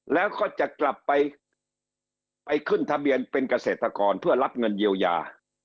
แล้วก็จะกลับไปไปขึ้นทะเบียนเป็นเกษตรกรเพื่อรับเงินเยียวยา